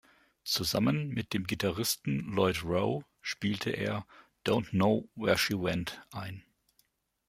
Zusammen mit dem Gitarristen Lloyd Rowe spielte er "Don’t Know Where She Went" ein.